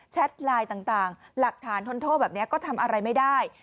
ไลน์ต่างหลักฐานทนโทษแบบนี้ก็ทำอะไรไม่ได้